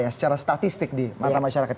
secara statistik di mata masyarakat